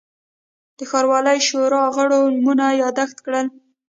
د ښاروالۍ شورا غړو نومونه یاداشت کړل.